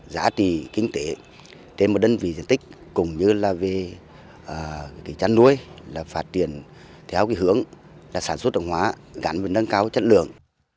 giá trị kinh tế trên một đơn vị diện tích cùng như là về cái chăn nuôi là phát triển theo cái hướng sản xuất hàng hóa gắn với nâng cao chất lượng